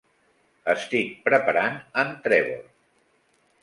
Estic preparant en Trevor!